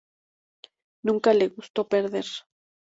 Nunca le gustó perder.